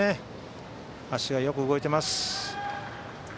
足がよく動いています。